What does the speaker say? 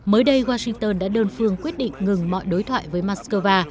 mới đây washington đã đơn phương quyết định ngừng mọi đối thoại với moscow